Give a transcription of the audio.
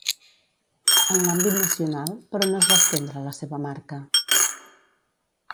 En l'àmbit nacional, per on es va estendre la seva marca?